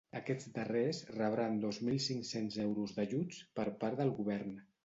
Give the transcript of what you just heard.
Aquests darrers rebran dos mil cinc-cents euros d’ajuts per part del govern.